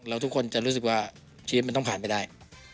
แล้วทุกคนจะรู้สึกว่าชีวิตมันต้องผ่านไปได้